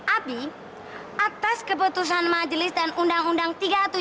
abi atas keputusan majelis dan undang undang tiga ratus tujuh puluh